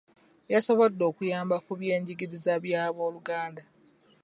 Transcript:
Yasoboddde okuyamba ku by'enjigiriza bya b'oluganda .